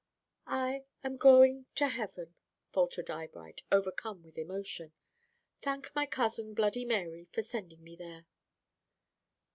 "'I am go ing to hea ven,'" faltered Eyebright, overcome with emotion. "'Thank my cousin, Bloody Mary, for sending me th ere.'"